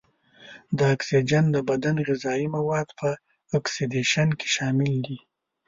دا اکسیجن د بدن غذايي موادو په اکسیدیشن کې شامل دی.